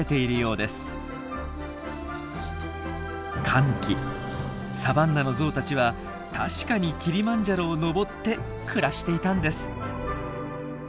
乾季サバンナのゾウたちは確かにキリマンジャロを登って暮らしていたんです！